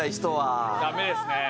ダメですね。